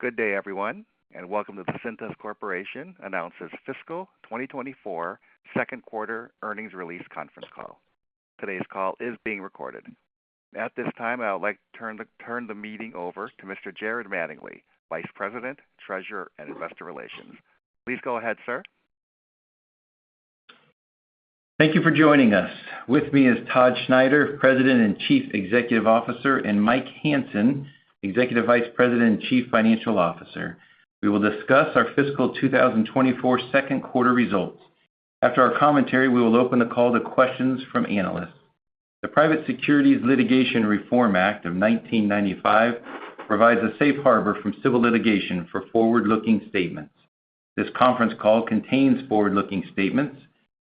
Good day, everyone, and welcome to the Cintas Corporation announces Fiscal 2024 Q2 Earnings Release Conference Call. Today's call is being recorded. At this time, I would like to turn the meeting over to Mr. Jared Mattingley, Vice President, Treasurer, and Investor Relations. Please go ahead, sir. Thank you for joining us. With me is Todd Schneider, President and Chief Executive Officer, and Mike Hansen, Executive Vice President and Chief Financial Officer. We will discuss our Fiscal 2024 Q2 results. After our commentary, we will open the call to questions from analysts. The Private Securities Litigation Reform Act of 1995 provides a safe harbor from civil litigation for forward-looking statements. This conference call contains forward-looking statements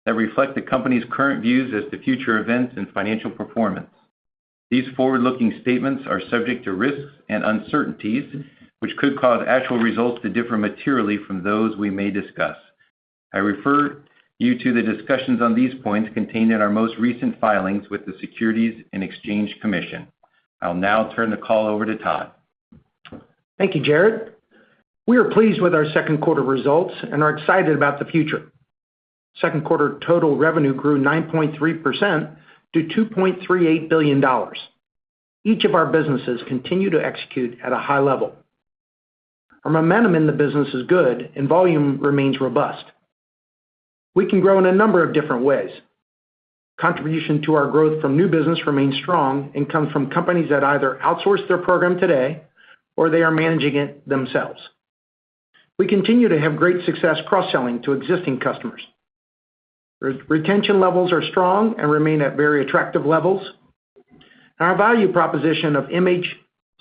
that reflect the company's current views as to future events and financial performance. These forward-looking statements are subject to risks and uncertainties, which could cause actual results to differ materially from those we may discuss. I refer you to the discussions on these points contained in our most recent filings with the Securities and Exchange Commission. I will now turn the call over to Todd. Thank you, Jared. We are pleased with our Q2 results and are excited about the future. Q2 total revenue grew 9.3% to $2.38 billion. Each of our businesses continued to execute at a high level. Our momentum in the business is good, and volume remains robust. We can grow in a number of different ways. Contribution to our growth from new business remains strong and comes from companies that either outsource their program today or they are managing it themselves. We continue to have great success cross-selling to existing customers. Retention levels are strong and remain at very attractive levels. Our value proposition of image,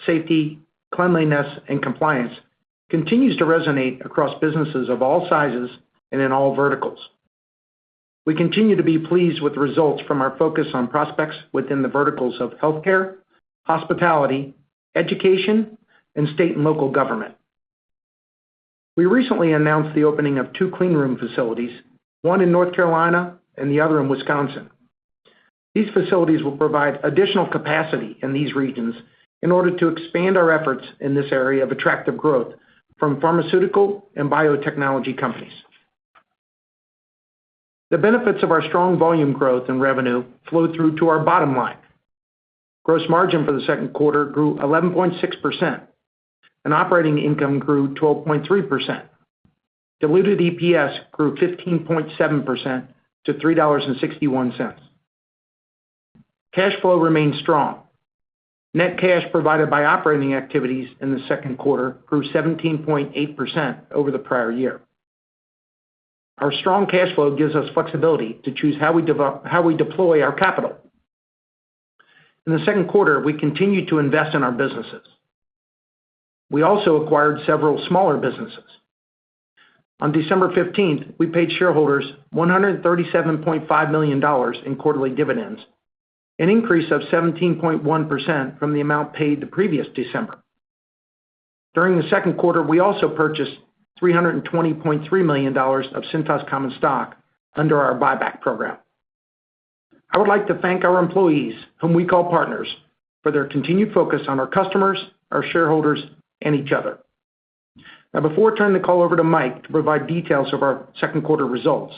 safety, cleanliness, and compliance continues to resonate across businesses of all sizes and in all verticals. We continue to be pleased with results from our focus on prospects within the verticals of healthcare, hospitality, education, and state and local government. We recently announced the opening of two cleanroom facilities, one in North Carolina and the other in Wisconsin. These facilities will provide additional capacity in these regions in order to expand our efforts in this area of attractive growth from pharmaceutical and biotechnology companies. The benefits of our strong volume growth and revenue flowed through to our bottom line. Gross margin for the Q2 grew 11.6%, and operating income grew 12.3%. Diluted EPS grew 15.7% to $3.61. Cash flow remains strong. Net cash provided by operating activities in the Q2 grew 17.8% over the prior year. Our strong cash flow gives us flexibility to choose how we deploy our capital. In the Q2, we continued to invest in our businesses. We also acquired several smaller businesses. On December 15th, we paid shareholders $137.5 million in quarterly dividends, an increase of 17.1% from the amount paid the previous December. During the Q2, we also purchased $320.3 million of Cintas Common stock under our buyback program. I would like to thank our employees, whom we call partners, for their continued focus on our customers, our shareholders, and each other. Now, before I turn the call over to Mike to provide details of our Q2 results,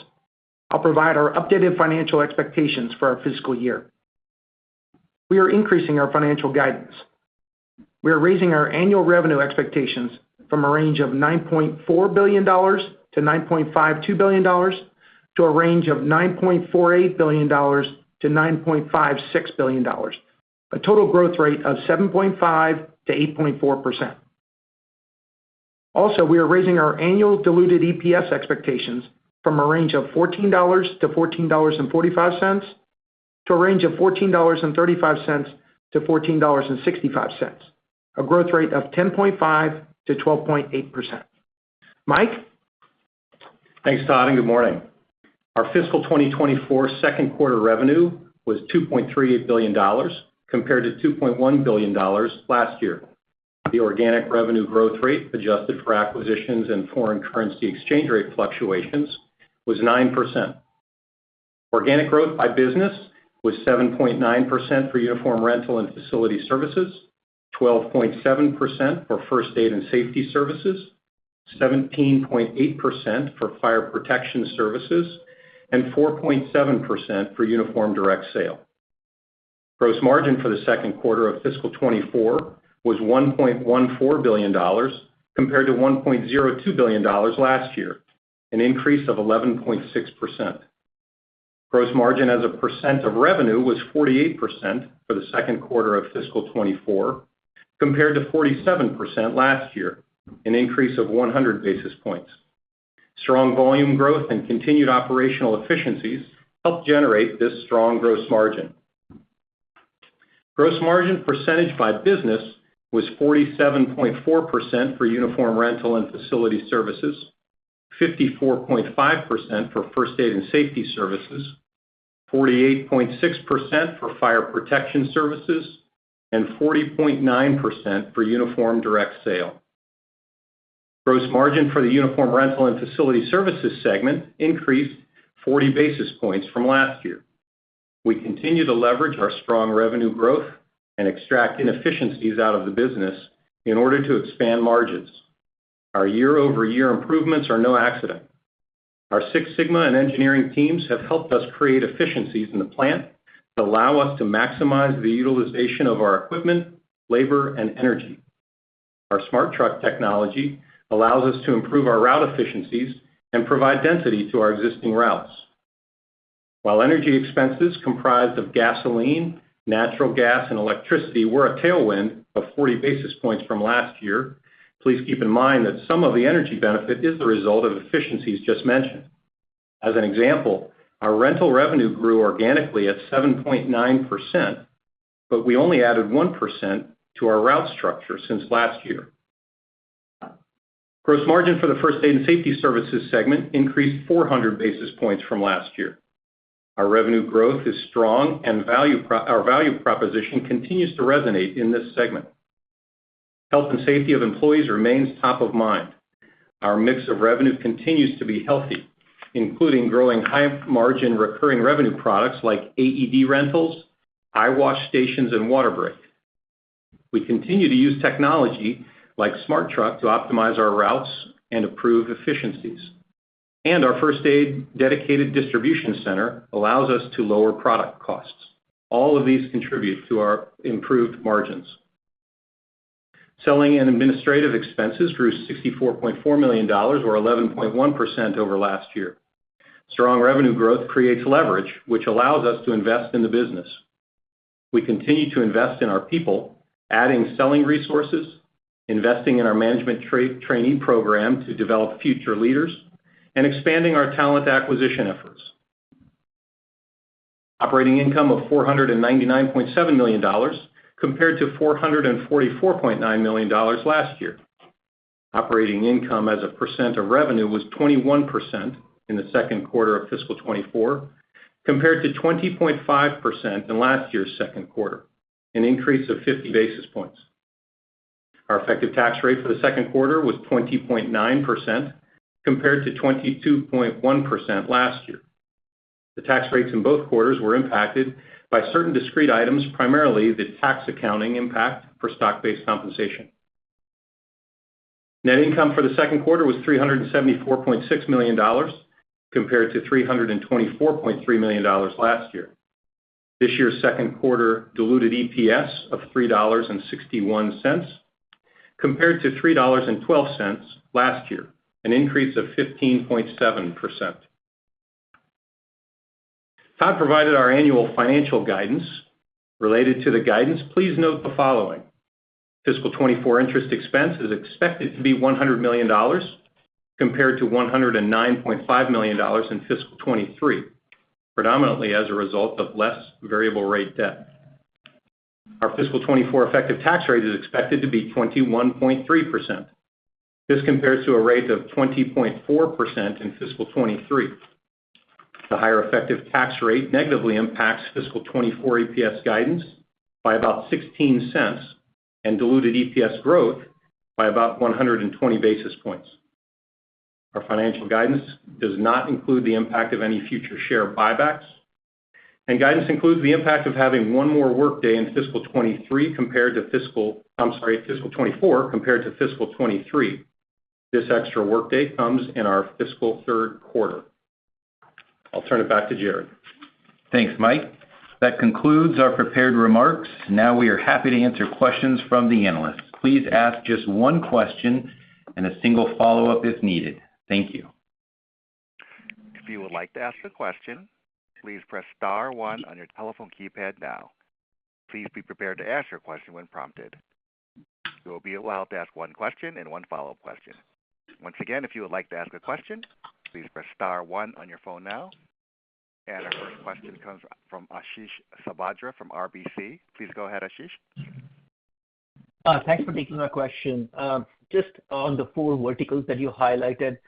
I'll provide our updated financial expectations for our fiscal year. We are increasing our financial guidance. We are raising our annual revenue expectations from a range of $9.4 to 9.52 billion to a range of $9.48 to 9.56 billion, a total growth rate of 7.5%-8.4. Also, we are raising our annual Diluted EPS expectations from a range of $14.00-14.45 to a range of $14.35-14.65, a growth rate of 10.5%-12.8. Mike? Thanks, Todd. Good morning. Our Fiscal 2024 Q2 revenue was $2.38 billion compared to $2.1 billion last year. The organic revenue growth rate, adjusted for acquisitions and foreign currency exchange rate fluctuations, was 9%. Organic growth by business was 7.9% for uniform rental and facility services, 12.7% for first aid and safety services, 17.8% for fire protection services, and 4.7% for uniform direct sale. Gross margin for the Q2 of Fiscal 2024 was $1.14 billion compared to $1.02 billion last year, an increase of 11.6%. Gross margin as a percent of revenue was 48% for the Q2 of Fiscal 2024 compared to 47% last year, an increase of 100 basis points. Strong volume growth and continued operational efficiencies helped generate this strong gross margin. Gross margin percentage by business was 47.4% for uniform rental and facility services, 54.5% for first aid and safety services, 48.6% for fire protection services, and 40.9% for uniform direct sale. Gross margin for the uniform rental and facility services segment increased 40 basis points from last year. We continue to leverage our strong revenue growth and extract inefficiencies out of the business in order to expand margins. Our year-over-year improvements are no accident. Our Six Sigma and engineering teams have helped us create efficiencies in the plant that allow us to maximize the utilization of our equipment, labor, and energy. Our SmartTruck technology allows us to improve our route efficiencies and provide density to our existing routes. While energy expenses comprised of gasoline, natural gas, and electricity were a tailwind of 40 basis points from last year, please keep in mind that some of the energy benefit is the result of efficiencies just mentioned. As an example, our rental revenue grew organically at 7.9%, but we only added 1% to our route structure since last year. Gross margin for the first aid and safety services segment increased 400 basis points from last year. Our revenue growth is strong, and our value proposition continues to resonate in this segment. Health and safety of employees remains top of mind. Our mix of revenue continues to be healthy, including growing high-margin recurring revenue products like AED rentals, eyewash stations, and WaterBreak. We continue to use technology like SmartTruck to optimize our routes and improve efficiencies. Our first aid dedicated distribution center allows us to lower product costs. All of these contribute to our improved margins. Selling and administrative expenses grew $64.4 million, or 11.1%, over last year. Strong revenue growth creates leverage, which allows us to invest in the business. We continue to invest in our people, adding selling resources, investing in our management trainee program to develop future leaders, and expanding our talent acquisition efforts. Operating income of $499.7 million compared to $444.9 million last year. Operating income as a percent of revenue was 21% in the Q2 of Fiscal 2024 compared to 20.5% in last year's Q2, an increase of 50 basis points. Our effective tax rate for the Q2 was 20.9% compared to 22.1% last year. The tax rates in both quarters were impacted by certain discrete items, primarily the tax accounting impact for stock-based compensation. Net income for the Q2 was $374.6 million compared to $324.3 million last year. This year's Q2 diluted EPS of $3.61 compared to $3.12 last year, an increase of 15.7%. Todd provided our annual financial guidance. Related to the guidance, please note the following: Fiscal 2024 interest expense is expected to be $100 million compared to $109.5 million in Fiscal 2023, predominantly as a result of less variable-rate debt. Our Fiscal 2024 effective tax rate is expected to be 21.3%. This compares to a rate of 20.4% in Fiscal 2023. The higher effective tax rate negatively impacts Fiscal 2024 EPS guidance by about $0.16 and diluted EPS growth by about 120 basis points. Our financial guidance does not include the impact of any future share buybacks. Guidance includes the impact of having one more workday in Fiscal 2023 compared to Fiscal I'm sorry, Fiscal 2024 compared to Fiscal 2023. This extra workday comes in our Fiscal Q3. I'll turn it back to Jared. Thanks, Mike. That concludes our prepared remarks. Now we are happy to answer questions from the analysts. Please ask just one question and a single follow-up if needed. Thank you. If you would like to ask a question, please press star 1 on your telephone keypad now. Please be prepared to ask your question when prompted. You will be allowed to ask one question and one follow-up question. Once again, if you would like to ask a question, please press star 1 on your phone now. And our first question comes from Ashish Sabadra from RBC. Please go ahead, Ashish. Thanks for taking my question. Just on the four verticals that you highlighted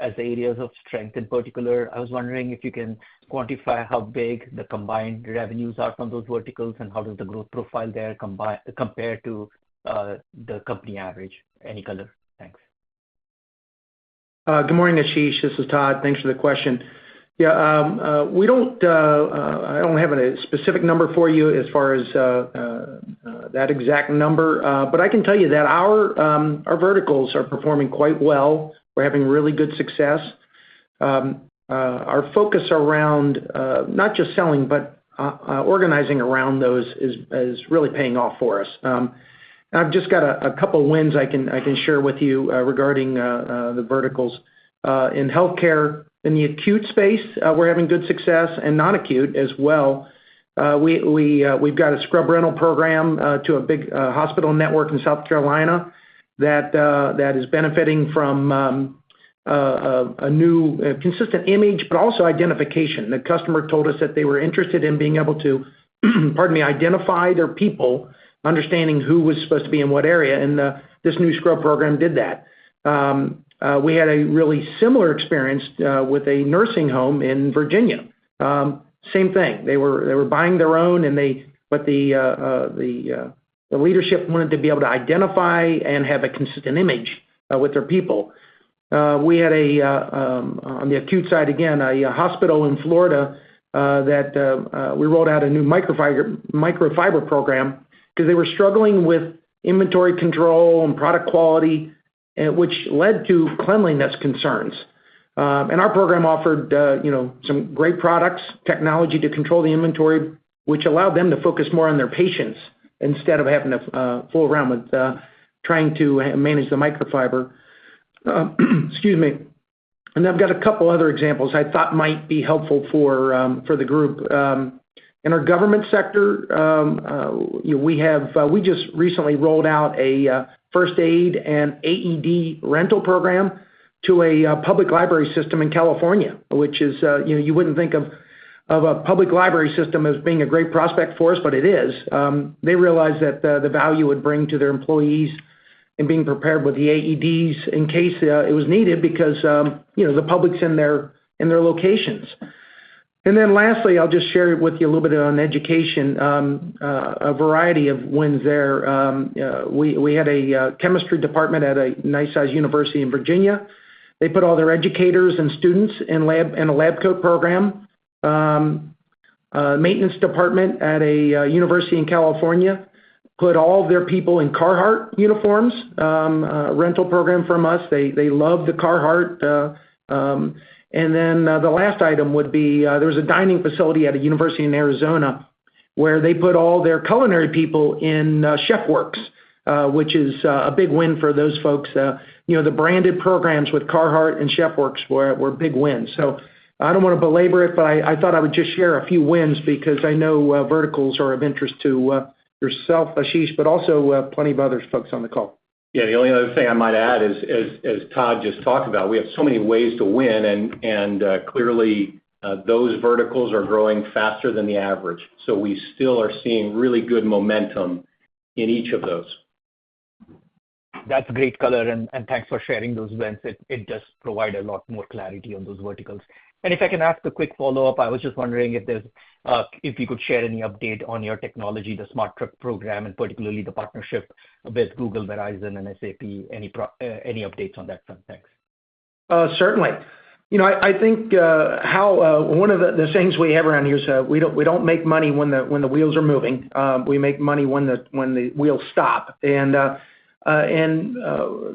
as areas of strength in particular, I was wondering if you can quantify how big the combined revenues are from those verticals and how does the growth profile there compare to the company average? Any color. Thanks. Good morning, Ashish. This is Todd. Thanks for the question. Yeah, I don't have a specific number for you as far as that exact number. But I can tell you that our verticals are performing quite well. We're having really good success. Our focus around not just selling but organizing around those is really paying off for us. And I've just got a couple of wins I can share with you regarding the verticals. In healthcare, in the acute space, we're having good success, and non-acute as well. We've got a scrub rental program to a big hospital network in South Carolina that is benefiting from a new consistent image but also identification. The customer told us that they were interested in being able to pardon me, identify their people, understanding who was supposed to be in what area. This new scrub program did that. We had a really similar experience with a nursing home in Virginia. Same thing. They were buying their own, but the leadership wanted to be able to identify and have a consistent image with their people. We had a win on the acute side, again, a hospital in Florida that we rolled out a new microfiber program because they were struggling with inventory control and product quality, which led to cleanliness concerns. And our program offered some great products, technology to control the inventory, which allowed them to focus more on their patients instead of having to fool around with trying to manage the microfiber. Excuse me. And I've got a couple of other examples I thought might be helpful for the group. In our government sector, we just recently rolled out a first aid and AED rental program to a public library system in California, which is, you wouldn't think of a public library system as being a great prospect for us, but it is. They realized that the value it would bring to their employees in being prepared with the AEDs in case it was needed because the public's in their locations. And then lastly, I'll just share with you a little bit on education, a variety of wins there. We had a chemistry department at a nice-sized university in Virginia. They put all their educators and students in a lab coat program. The maintenance department at a university in California put all of their people in Carhartt uniforms, a rental program from us. They love the Carhartt. And then the last item would be there was a dining facility at a university in Arizona where they put all their culinary people in Chef Works, which is a big win for those folks. The branded programs with Carhartt and Chef Works were big wins. So I don't want to belabor it, but I thought I would just share a few wins because I know verticals are of interest to yourself, Ashish, but also plenty of other folks on the call. Yeah. The only other thing I might add is, as Todd just talked about, we have so many ways to win. Clearly, those verticals are growing faster than the average. We still are seeing really good momentum in each of those. That's great color. And thanks for sharing those wins. It does provide a lot more clarity on those verticals. And if I can ask a quick follow-up, I was just wondering if you could share any update on your technology, the SmartTruck program, and particularly the partnership with Google, Verizon, and SAP, any updates on that front. Thanks. Certainly. I think one of the things we have around here is we don't make money when the wheels are moving. We make money when the wheels stop. So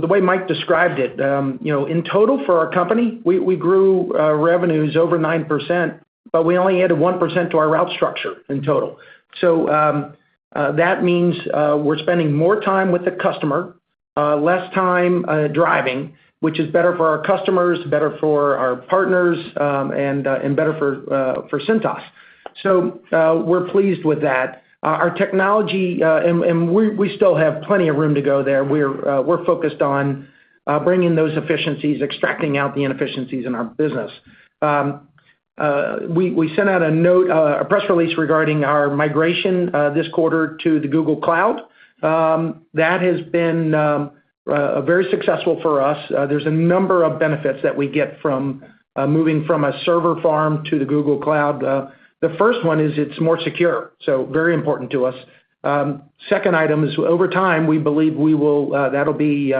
the way Mike described it, in total, for our company, we grew revenues over 9%, but we only added 1% to our route structure in total. So that means we're spending more time with the customer, less time driving, which is better for our customers, better for our partners, and better for Cintas. So we're pleased with that. Our technology and we still have plenty of room to go there. We're focused on bringing those efficiencies, extracting out the inefficiencies in our business. We sent out a press release regarding our migration this quarter to Google Cloud. That has been very successful for us. There's a number of benefits that we get from moving from a server farm to the Google Cloud. The first one is it's more secure, so very important to us. Second item is, over time, we believe that'll be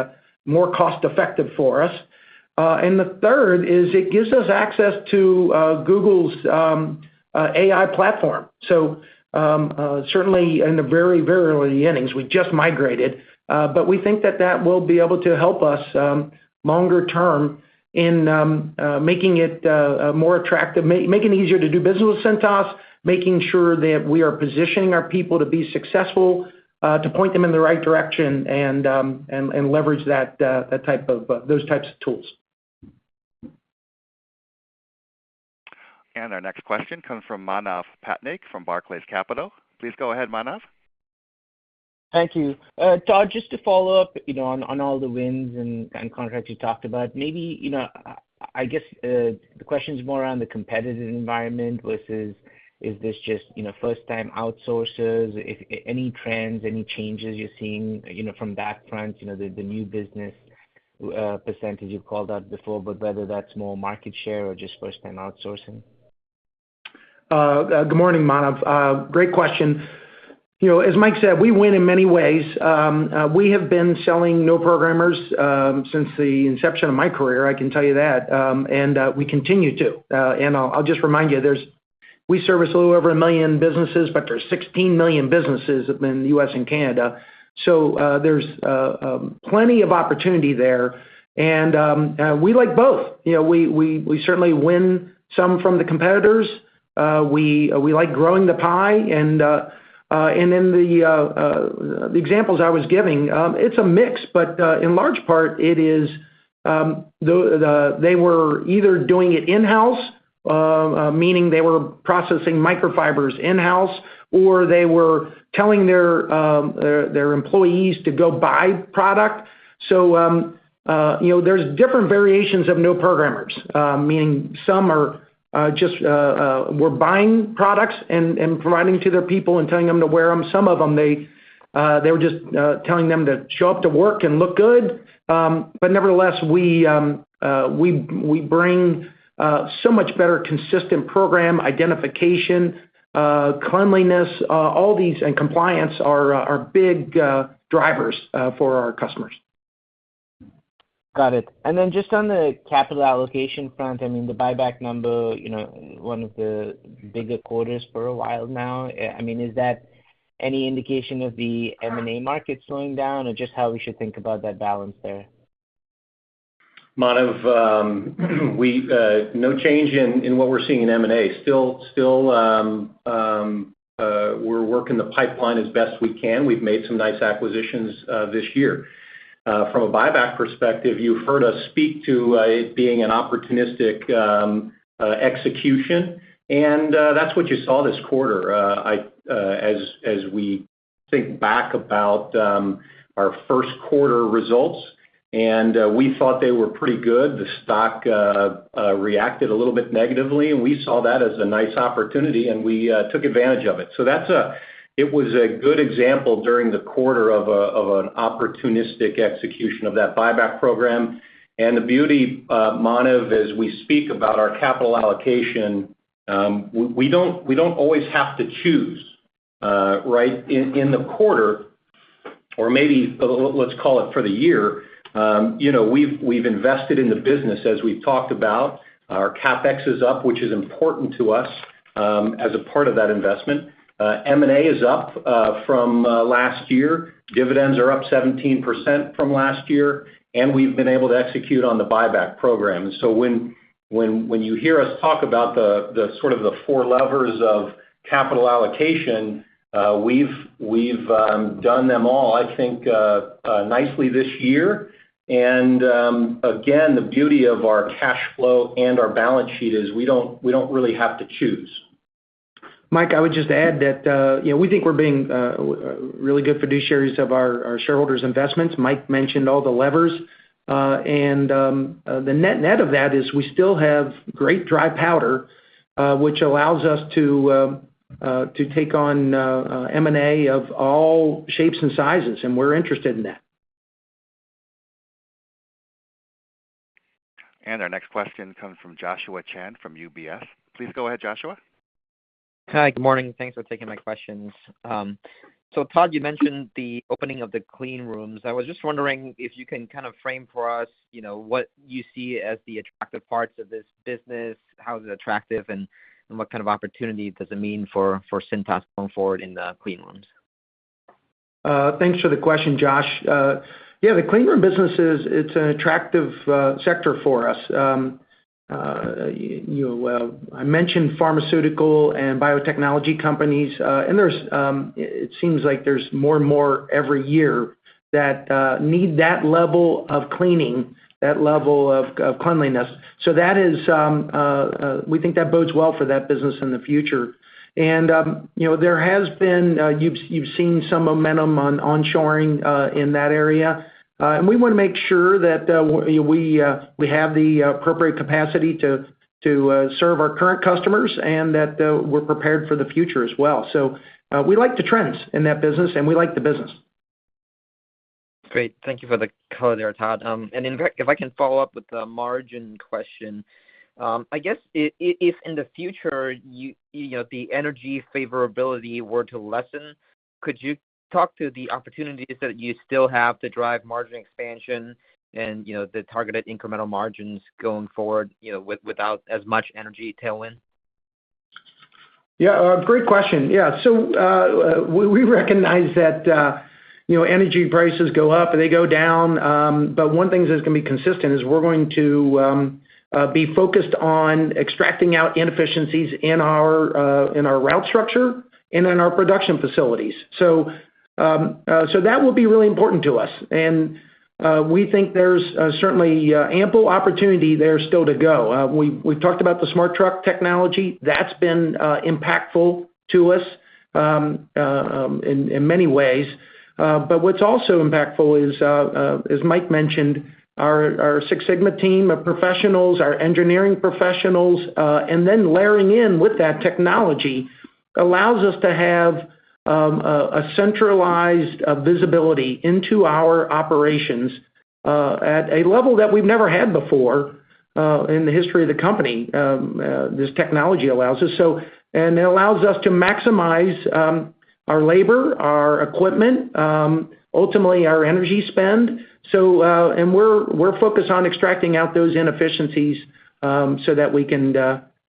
more cost-effective for us. And the third is it gives us access to Google's AI platform. So certainly, in the very, very early innings, we just migrated. But we think that that will be able to help us longer term in making it more attractive, making it easier to do business with Cintas, making sure that we are positioning our people to be successful, to point them in the right direction, and leverage those types of tools. Our next question comes from Manav Patnaik from Barclays. Please go ahead, Manav. Thank you. Todd, just to follow up on all the wins and contracts you talked about, maybe I guess the question's more around the competitive environment versus is this just first-time outsourcers, any trends, any changes you're seeing from that front, the new business percentage you've called out before, but whether that's more market share or just first-time outsourcing? Good morning, Manav. Great question. As Mike said, we win in many ways. We have been selling no programmers since the inception of my career. I can tell you that. And we continue to. And I'll just remind you, we service a little over 1 million businesses, but there's 16 million businesses in the U.S. and Canada. So there's plenty of opportunity there. And we like both. We certainly win some from the competitors. We like growing the pie. And in the examples I was giving, it's a mix, but in large part, it is they were either doing it in-house, meaning they were processing microfibers in-house, or they were telling their employees to go buy product. So there's different variations of no programmers, meaning some were buying products and providing to their people and telling them to wear them. Some of them, they were just telling them to show up to work and look good. But nevertheless, we bring so much better consistent program identification, cleanliness, all these, and compliance are big drivers for our customers. Got it. And then just on the capital allocation front, I mean, the buyback number, one of the bigger quarters for a while now, I mean, is that any indication of the M&A market slowing down or just how we should think about that balance there? Manav, no change in what we're seeing in M&A. Still, we're working the pipeline as best we can. We've made some nice acquisitions this year. From a buyback perspective, you've heard us speak to it being an opportunistic execution. And that's what you saw this quarter as we think back about our Q1 results. And we thought they were pretty good. The stock reacted a little bit negatively. And we saw that as a nice opportunity, and we took advantage of it. So it was a good example during the quarter of an opportunistic execution of that buyback program. And the beauty, Manav, as we speak about our capital allocation, we don't always have to choose. Right in the quarter, or maybe let's call it for the year, we've invested in the business, as we've talked about. Our CapEx is up, which is important to us as a part of that investment. M&A is up from last year. Dividends are up 17% from last year. We've been able to execute on the buyback program. So when you hear us talk about sort of the four levers of capital allocation, we've done them all, I think, nicely this year. Again, the beauty of our cash flow and our balance sheet is we don't really have to choose. Mike, I would just add that we think we're being really good fiduciaries of our shareholders' investments. Mike mentioned all the levers. The net of that is we still have great dry powder, which allows us to take on M&A of all shapes and sizes. We're interested in that. Our next question comes from Joshua Chan from UBS. Please go ahead, Joshua. Hi. Good morning. Thanks for taking my questions. So Todd, you mentioned the opening of the clean rooms. I was just wondering if you can kind of frame for us what you see as the attractive parts of this business, how is it attractive, and what kind of opportunity does it mean for Cintas going forward in the clean rooms? Thanks for the question, Josh. Yeah, the clean room business, it's an attractive sector for us. I mentioned pharmaceutical and biotechnology companies. And it seems like there's more and more every year that need that level of cleaning, that level of cleanliness. So we think that bodes well for that business in the future. And there has been, you've seen some momentum on onshoring in that area. And we want to make sure that we have the appropriate capacity to serve our current customers and that we're prepared for the future as well. So we like the trends in that business, and we like the business. Great. Thank you for the color, there, Todd. If I can follow up with the margin question, I guess if in the future, the energy favorability were to lessen, could you talk to the opportunities that you still have to drive margin expansion and the targeted incremental margins going forward without as much energy tailwind? Yeah. Great question. Yeah. So we recognize that energy prices go up. They go down. But one thing that's going to be consistent is we're going to be focused on extracting out inefficiencies in our route structure and in our production facilities. So that will be really important to us. And we think there's certainly ample opportunity there still to go. We've talked about the SmartTruck technology. That's been impactful to us in many ways. But what's also impactful is, as Mike mentioned, our Six Sigma team, our professionals, our engineering professionals, and then layering in with that technology allows us to have a centralized visibility into our operations at a level that we've never had before in the history of the company. This technology allows us, and it allows us to maximize our labor, our equipment, ultimately, our energy spend. We're focused on extracting out those inefficiencies so that we can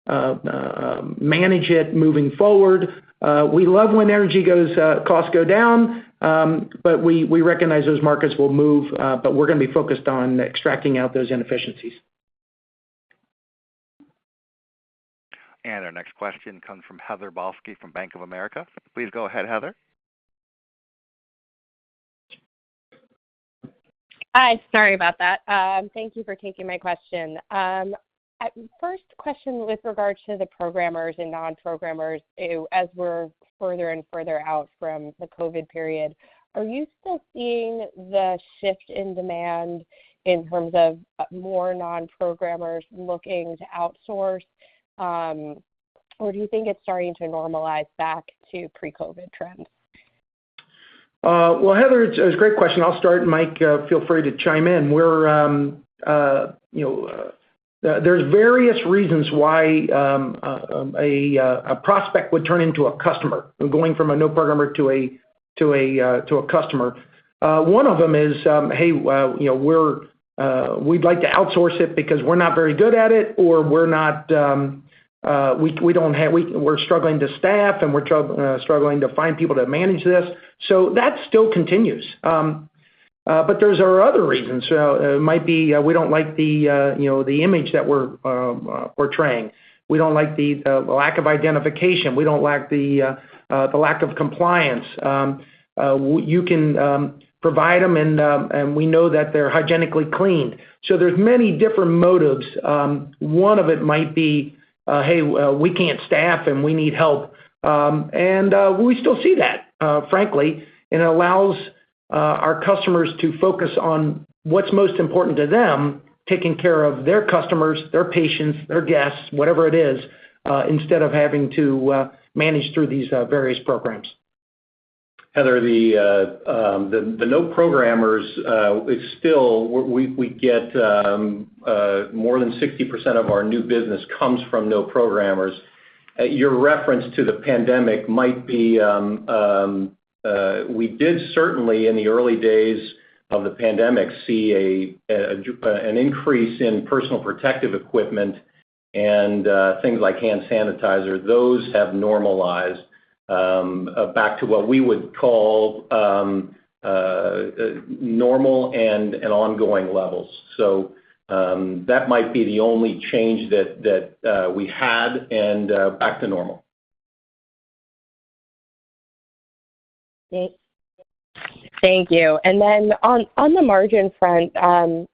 manage it moving forward. We love when energy costs go down, but we recognize those markets will move. But we're going to be focused on extracting out those inefficiencies. Our next question comes from Heather Balsky from Bank of America. Please go ahead, Heather. Hi. Sorry about that. Thank you for taking my question. First question with regard to the programmers and non-programmers, as we're further and further out from the COVID period, are you still seeing the shift in demand in terms of more non-programmers looking to outsource, or do you think it's starting to normalize back to pre-COVID trends? Well, Heather, it's a great question. I'll start. Mike, feel free to chime in. There's various reasons why a prospect would turn into a customer, going from a no programmer to a customer. One of them is, "Hey, we'd like to outsource it because we're not very good at it," or, "We're struggling to staff, and we're struggling to find people to manage this." So that still continues. But there are other reasons. It might be, "We don't like the image that we're portraying. We don't like the lack of identification. We don't like the lack of compliance. You can provide them, and we know that they're hygienically cleaned." So there's many different motives. One of it might be, "Hey, we can't staff, and we need help." And we still see that, frankly. It allows our customers to focus on what's most important to them, taking care of their customers, their patients, their guests, whatever it is, instead of having to manage through these various programs. Heather, the non-programmers, we get more than 60% of our new business comes from non-programmers. Your reference to the pandemic might be we did certainly, in the early days of the pandemic, see an increase in personal protective equipment and things like hand sanitizer. Those have normalized back to what we would call normal and ongoing levels. So that might be the only change that we had and back to normal. Thank you. And then on the margin front,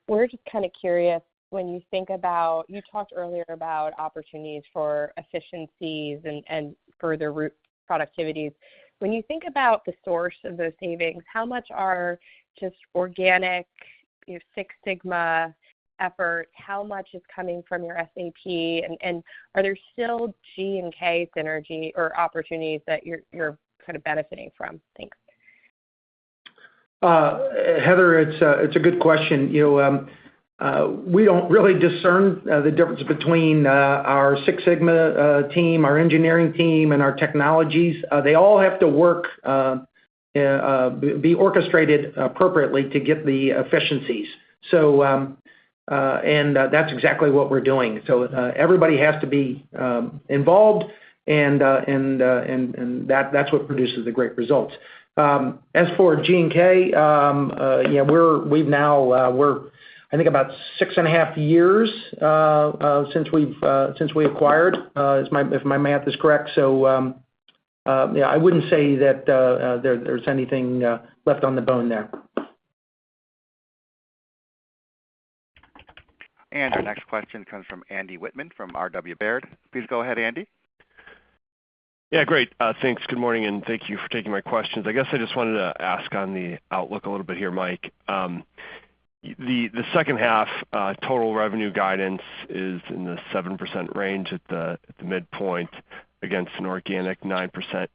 we're just kind of curious when you think about you talked earlier about opportunities for efficiencies and further productivities. When you think about the source of those savings, how much are just organic Six Sigma efforts? How much is coming from your SAP? And are there still G&K synergy or opportunities that you're kind of benefiting from? Thanks. Heather, it's a good question. We don't really discern the difference between our Six Sigma team, our engineering team, and our technologies. They all have to work, be orchestrated appropriately to get the efficiencies. And that's exactly what we're doing. So everybody has to be involved, and that's what produces the great results. As for G&K, we've now, I think, about 6.5 years since we acquired, if my math is correct. So yeah, I wouldn't say that there's anything left on the bone there. And our next question comes from Andy Wittmann from RW Baird. Please go ahead, Andy. Yeah. Great. Thanks. Good morning. And thank you for taking my questions. I guess I just wanted to ask on the outlook a little bit here, Mike. The second half total revenue guidance is in the 7% range at the midpoint against an organic 9%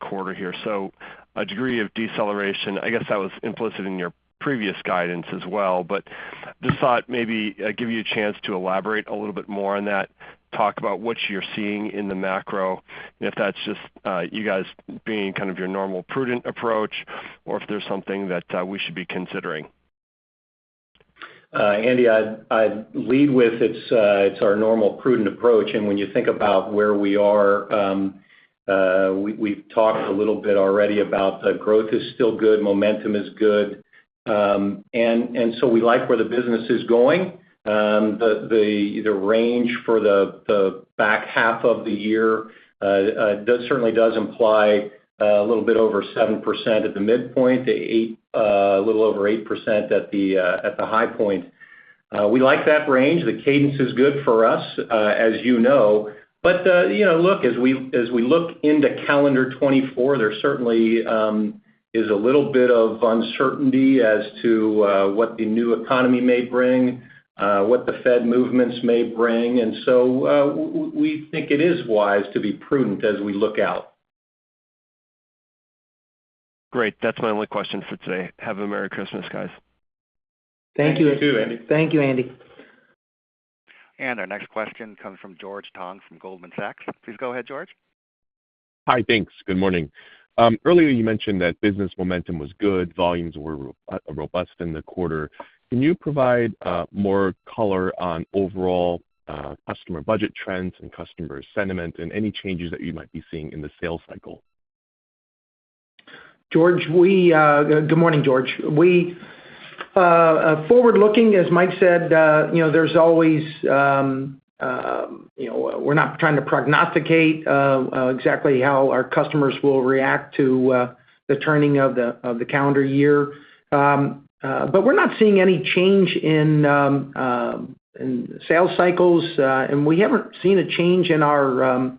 quarter here. So a degree of deceleration, I guess that was implicit in your previous guidance as well. But just thought maybe give you a chance to elaborate a little bit more on that, talk about what you're seeing in the macro, if that's just you guys being kind of your normal prudent approach, or if there's something that we should be considering. Andy, I'd lead with it's our normal prudent approach. And when you think about where we are, we've talked a little bit already about the growth is still good. Momentum is good. And so we like where the business is going. The range for the back half of the year certainly does imply a little bit over 7% at the midpoint, a little over 8% at the high point. We like that range. The cadence is good for us, as you know. But look, as we look into calendar 2024, there certainly is a little bit of uncertainty as to what the new economy may bring, what the Fed movements may bring. And so we think it is wise to be prudent as we look out. Great. That's my only question for today. Have a Merry Christmas, guys. Thank you. Thank you too, Andy. Thank you, Andy. And our next question comes from George Tong from Goldman Sachs. Please go ahead, George. Hi. Thanks. Good morning. Earlier, you mentioned that business momentum was good. Volumes were robust in the quarter. Can you provide more color on overall customer budget trends and customer sentiment and any changes that you might be seeing in the sales cycle? George, good morning, George. Forward-looking, as Mike said, there's always we're not trying to prognosticate exactly how our customers will react to the turning of the calendar year. But we're not seeing any change in sales cycles. And we haven't seen a change in our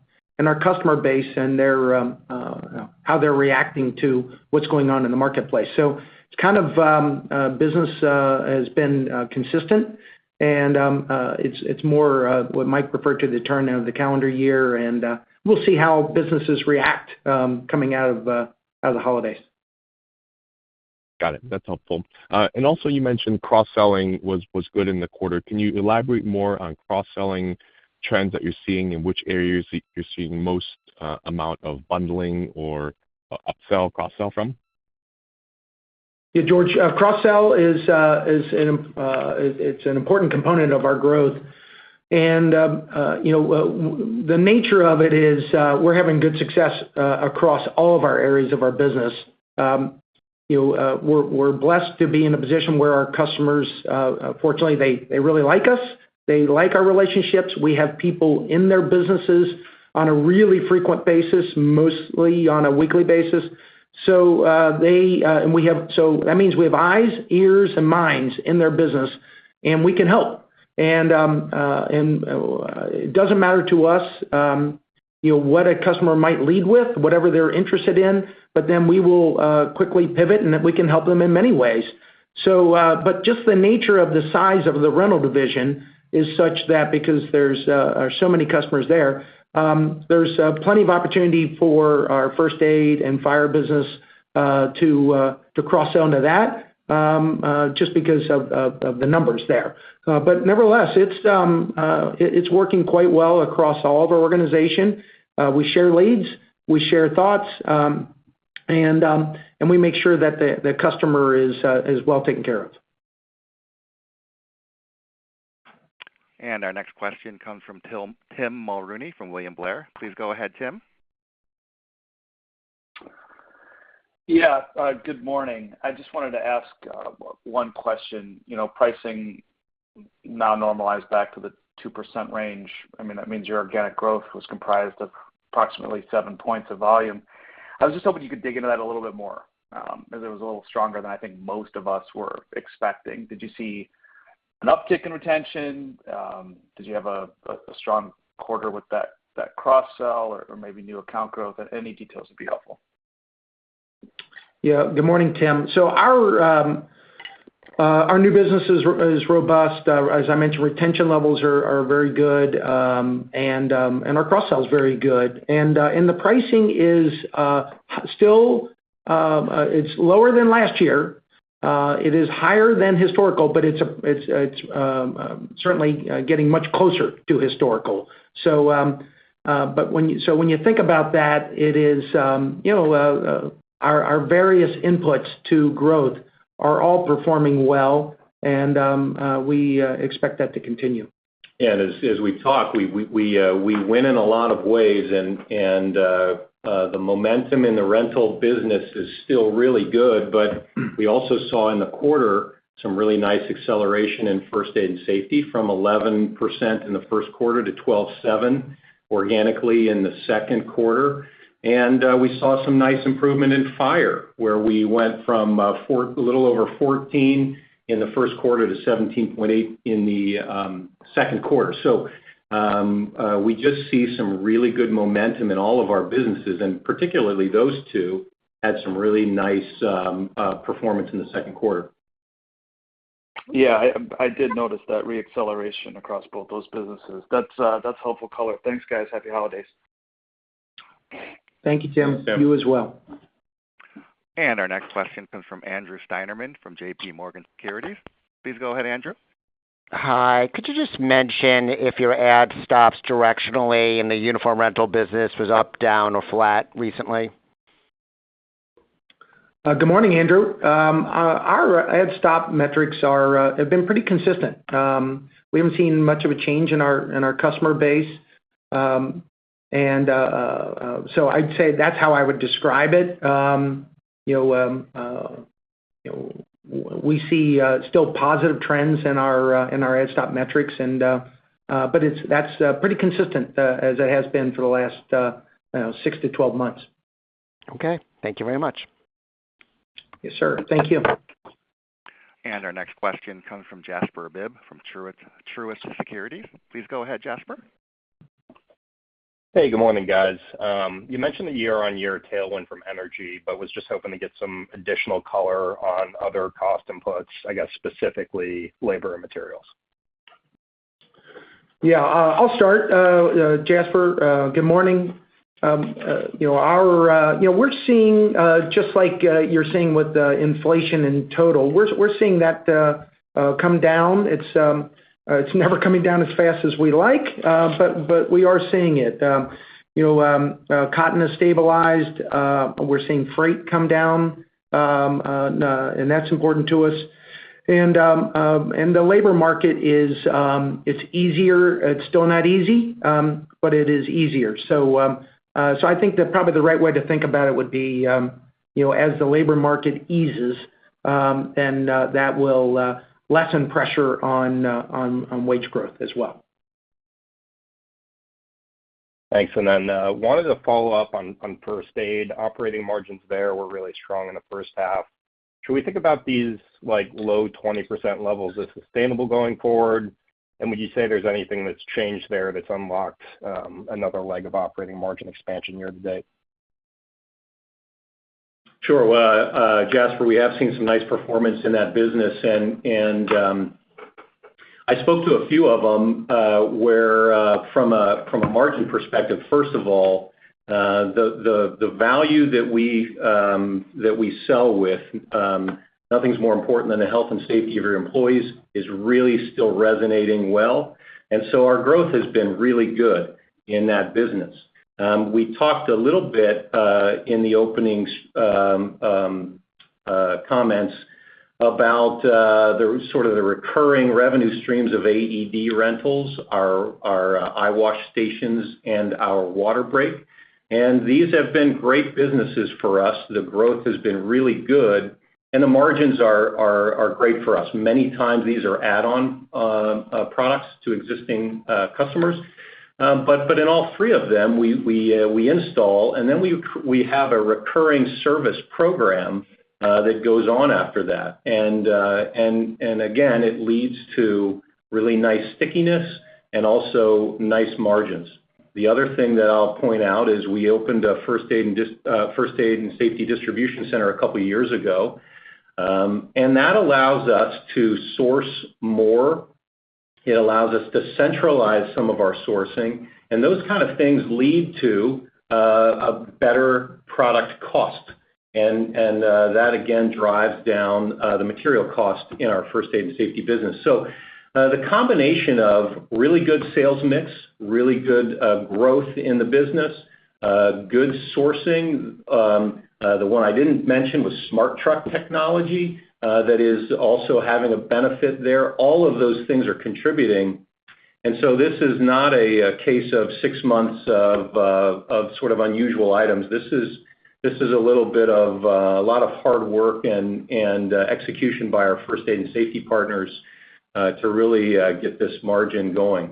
customer base and how they're reacting to what's going on in the marketplace. So it's kind of business has been consistent. And it's more what Mike referred to the turn of the calendar year. And we'll see how businesses react coming out of the holidays. Got it. That's helpful. Also, you mentioned cross-selling was good in the quarter. Can you elaborate more on cross-selling trends that you're seeing and which areas you're seeing the most amount of bundling or upsell, cross-sell from? Yeah, George. Cross-sell, it's an important component of our growth. The nature of it is we're having good success across all of our areas of our business. We're blessed to be in a position where our customers, fortunately, they really like us. They like our relationships. We have people in their businesses on a really frequent basis, mostly on a weekly basis. So that means we have eyes, ears, and minds in their business, and we can help. It doesn't matter to us what a customer might lead with, whatever they're interested in, but then we will quickly pivot, and we can help them in many ways. But just the nature of the size of the rental division is such that because there are so many customers there, there's plenty of opportunity for our first aid and fire business to cross-sell into that just because of the numbers there. But nevertheless, it's working quite well across all of our organization. We share leads. We share thoughts. And we make sure that the customer is well taken care of. Our next question comes from Tim Mulrooney from William Blair. Please go ahead, Tim. Yeah. Good morning. I just wanted to ask one question. Pricing now normalized back to the 2% range, I mean, that means your organic growth was comprised of approximately 7 points of volume. I was just hoping you could dig into that a little bit more because it was a little stronger than I think most of us were expecting. Did you see an uptick in retention? Did you have a strong quarter with that cross-sell or maybe new account growth? Any details would be helpful. Yeah. Good morning, Tim. So our new business is robust. As I mentioned, retention levels are very good, and our cross-sell is very good. And the pricing is still, it's lower than last year. It is higher than historical, but it's certainly getting much closer to historical. So when you think about that, it is, our various inputs to growth are all performing well, and we expect that to continue. Yeah. As we talk, we win in a lot of ways. The momentum in the rental business is still really good. But we also saw in the quarter some really nice acceleration in first aid and safety from 11% in the Q1 to 12.7 organically in the Q2. We saw some nice improvement in fire where we went from a little over 14 in the Q1 to 17.8 in the Q2. So we just see some really good momentum in all of our businesses. Particularly, those two had some really nice performance in the Q2. Yeah. I did notice that reacceleration across both those businesses. That's helpful color. Thanks, guys. Happy holidays. Thank you, Tim. You as well. Our next question comes from Andrew Steinerman from JPMorgan Securities. Please go ahead, Andrew. Hi. Could you just mention if your add stops directionally in the uniform rental business was up, down, or flat recently? Good morning, Andrew. Our add stop metrics have been pretty consistent. We haven't seen much of a change in our customer base. So I'd say that's how I would describe it. We see still positive trends in our add stop metrics, but that's pretty consistent as it has been for the last 6-12 months. Okay. Thank you very much. Yes, sir. Thank you. Our next question comes from Jasper Bibb from Truist Securities. Please go ahead, Jasper. Hey. Good morning, guys. You mentioned the year-on-year tailwind from energy, but was just hoping to get some additional color on other cost inputs, I guess, specifically labor and materials? Yeah. I'll start, Jasper. Good morning. We're seeing, just like you're seeing with inflation in total, we're seeing that come down. It's never coming down as fast as we like, but we are seeing it. Cotton has stabilized. We're seeing freight come down, and that's important to us. And the labor market, it's easier. It's still not easy, but it is easier. So I think that probably the right way to think about it would be as the labor market eases, then that will lessen pressure on wage growth as well. Thanks. And then I wanted to follow up on first aid. Operating margins there were really strong in the first half. Should we think about these low 20% levels as sustainable going forward? And would you say there's anything that's changed there that's unlocked another leg of operating margin expansion year to date? Sure. Well, Jasper, we have seen some nice performance in that business. I spoke to a few of them where, from a margin perspective, first of all, the value that we sell with, nothing's more important than the health and safety of your employees, is really still resonating well. Our growth has been really good in that business. We talked a little bit in the opening comments about sort of the recurring revenue streams of AED rentals, our eyewash stations, and our water break. These have been great businesses for us. The growth has been really good, and the margins are great for us. Many times, these are add-on products to existing customers. But in all three of them, we install, and then we have a recurring service program that goes on after that. Again, it leads to really nice stickiness and also nice margins. The other thing that I'll point out is we opened a first aid and safety distribution center a couple of years ago. That allows us to source more. It allows us to centralize some of our sourcing. Those kind of things lead to a better product cost. That, again, drives down the material cost in our first aid and safety business. So the combination of really good sales mix, really good growth in the business, good sourcing - the one I didn't mention was SmartTruck technology that is also having a benefit there - all of those things are contributing. So this is not a case of six months of sort of unusual items. This is a little bit of a lot of hard work and execution by our first aid and safety partners to really get this margin going.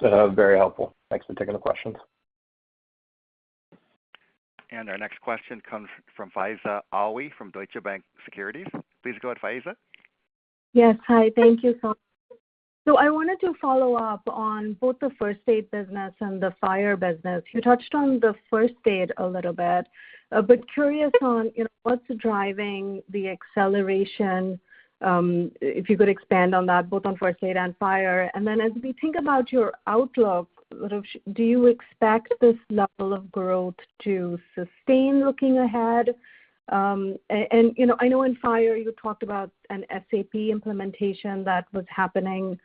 Very helpful. Thanks for taking the questions. Our next question comes from Faiza Alwy from Deutsche Bank. Please go ahead, Faiza. Yes. Hi. Thank you, Todd. So I wanted to follow up on both the first aid business and the fire business. You touched on the first aid a little bit, but curious on what's driving the acceleration, if you could expand on that, both on first aid and fire. And then as we think about your outlook, do you expect this level of growth to sustain looking ahead? And I know in fire, you talked about an SAP implementation that was happening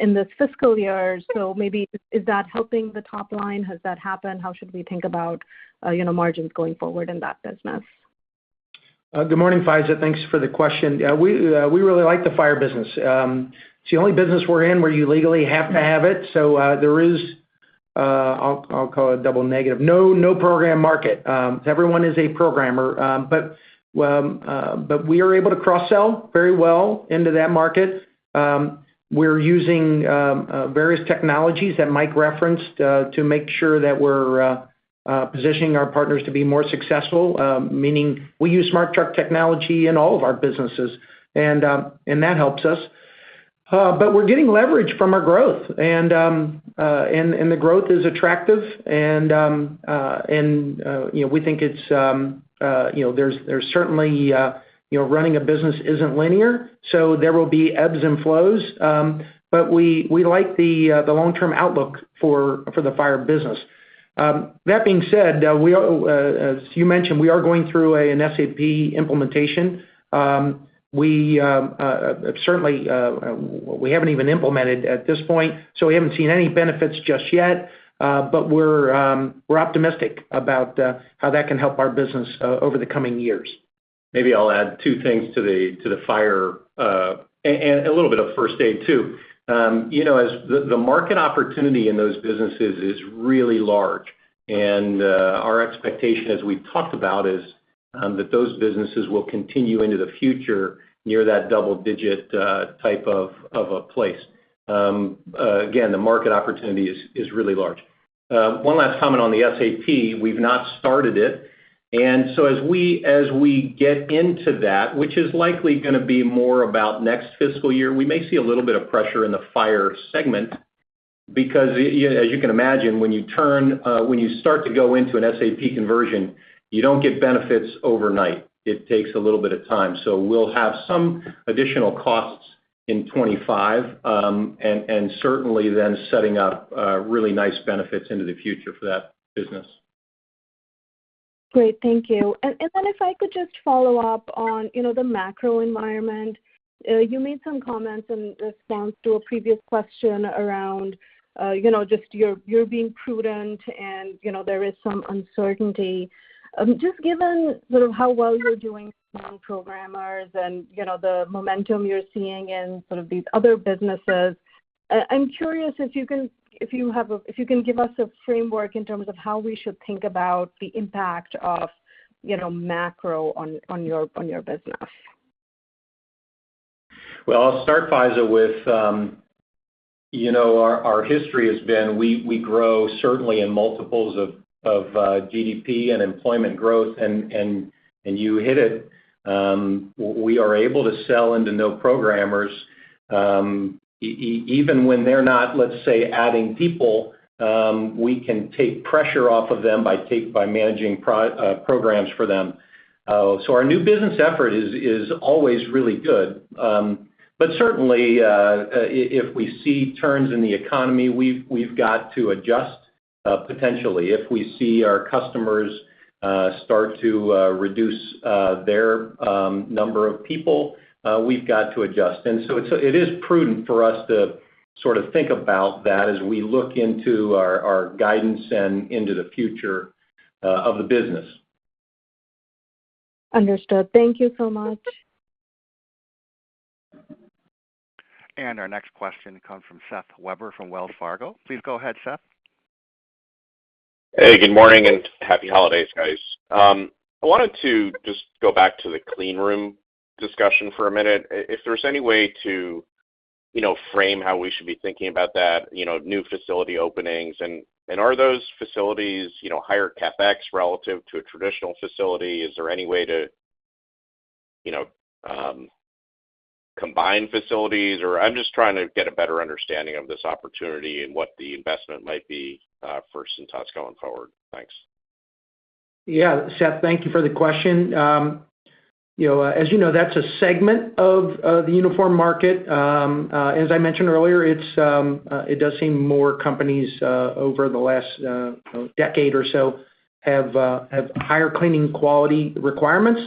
in this fiscal year. So maybe is that helping the top line? Has that happened? How should we think about margins going forward in that business? Good morning, Faiza. Thanks for the question. Yeah. We really like the fire business. It's the only business we're in where you legally have to have it. So there is - I'll call it a double negative - no program market. Everyone is a programmer. But we are able to cross-sell very well into that market. We're using various technologies that Mike referenced to make sure that we're positioning our partners to be more successful, meaning we use SmartTruck in all of our businesses, and that helps us. But we're getting leverage from our growth, and the growth is attractive. And we think it's there's certainly running a business isn't linear, so there will be ebbs and flows. But we like the long-term outlook for the fire business. That being said, as you mentioned, we are going through an SAP implementation. Certainly, we haven't even implemented at this point, so we haven't seen any benefits just yet. But we're optimistic about how that can help our business over the coming years. Maybe I'll add two things to the fire and a little bit of first aid too. The market opportunity in those businesses is really large. And our expectation, as we've talked about, is that those businesses will continue into the future near that double-digit type of a place. Again, the market opportunity is really large. One last comment on the SAP. We've not started it. And so as we get into that, which is likely going to be more about next fiscal year, we may see a little bit of pressure in the fire segment because, as you can imagine, when you start to go into an SAP conversion, you don't get benefits overnight. It takes a little bit of time. So we'll have some additional costs in 2025 and certainly then setting up really nice benefits into the future for that business. Great. Thank you. And then if I could just follow up on the macro environment, you made some comments in response to a previous question around just you're being prudent, and there is some uncertainty. Just given sort of how well you're doing among programmers and the momentum you're seeing in sort of these other businesses, I'm curious if you can give us a framework in terms of how we should think about the impact of macro on your business. Well, I'll start, Faiza, with our history. It has been we grow certainly in multiples of GDP and employment growth, and you hit it. We are able to sell into new programs. Even when they're not, let's say, adding people, we can take pressure off of them by managing programs for them. So our new business effort is always really good. But certainly, if we see turns in the economy, we've got to adjust potentially. If we see our customers start to reduce their number of people, we've got to adjust. And so it is prudent for us to sort of think about that as we look into our guidance and into the future of the business. Understood. Thank you so much. Our next question comes from Seth Weber from Wells Fargo. Please go ahead, Seth. Hey. Good morning and happy holidays, guys. I wanted to just go back to the cleanroom discussion for a minute. If there's any way to frame how we should be thinking about that, new facility openings, and are those facilities higher CapEx relative to a traditional facility? Is there any way to combine facilities? Or I'm just trying to get a better understanding of this opportunity and what the investment might be for Cintas going forward. Thanks. Yeah. Seth, thank you for the question. As you know, that's a segment of the uniform market. As I mentioned earlier, it does seem more companies over the last decade or so have higher cleaning quality requirements.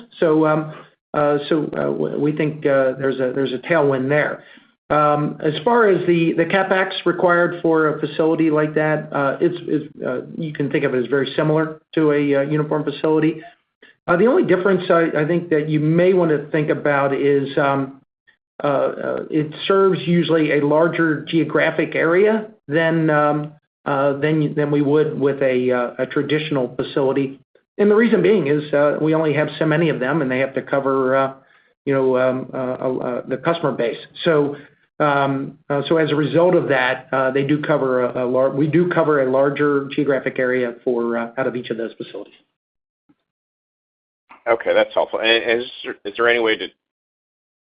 So we think there's a tailwind there. As far as the CapEx required for a facility like that, you can think of it as very similar to a uniform facility. The only difference, I think, that you may want to think about is it serves usually a larger geographic area than we would with a traditional facility. And the reason being is we only have so many of them, and they have to cover the customer base. So as a result of that, we do cover a larger geographic area out of each of those facilities. Okay. That's helpful. And is there any way